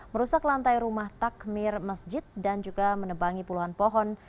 merusak lantai rumah takmir masjid dan juga menebangi puluhan pohon